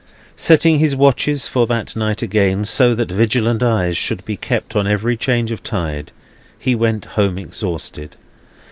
Setting his watches for that night again, so that vigilant eyes should be kept on every change of tide, he went home exhausted.